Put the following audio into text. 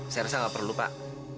saya rasa nggak perlu pak